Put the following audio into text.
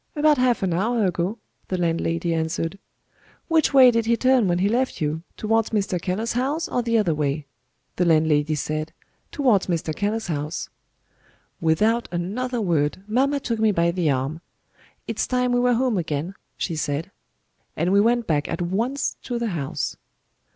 'About half an hour ago,' the landlady answered. 'Which way did he turn when he left you towards Mr. Keller's house or the other way?' The landlady said, 'Towards Mr. Keller's house.' Without another word, mamma took me by the arm. 'It's time we were home again,' she said and we went back at once to the house."